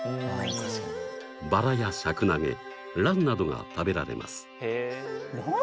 バラやシャクナゲ蘭などが食べられます。